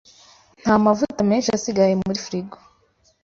Nta mavuta menshi asigaye muri firigo.